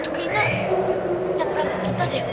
itu kayaknya yang ramah kita deh